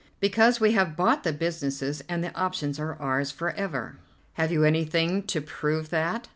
"Because we have bought the businesses and the options are ours for ever." "Have you anything to prove that?"